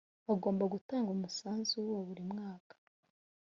bagomba gutanga umusanzu wa buri mwaka